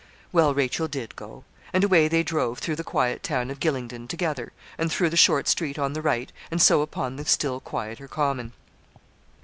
Well, Rachel did go. And away they drove through the quiet town of Gylingden together, and through the short street on the right, and so upon the still quieter common.